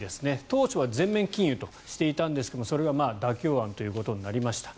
当初は全面禁輸としていたんですがそれが妥協案となりました。